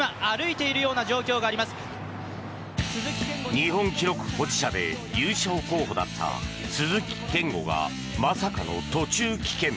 日本記録保持者で優勝候補だった鈴木健吾がまさかの途中棄権。